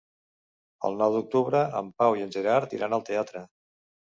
El nou d'octubre en Pau i en Gerard iran al teatre.